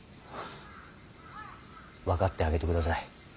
分かってあげてください。